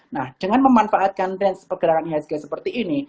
nah dengan memanfaatkan range pergerakan ihsg seperti ini